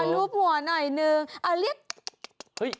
ลูบหัวหน่อยหนึ่งเรียก